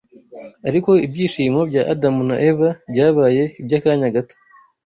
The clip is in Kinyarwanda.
Ariko ibyishimo bya Adamu na Eva byabaye iby’akanya gato